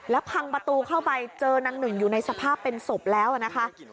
แล้วพังประตูเข้าไปเจอนางหนึ่งอยู่ในสภาพเป็นศพแล้วนะคะ